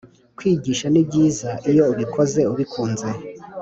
Kwigisha ni byiza iyo ubikoze ubikunze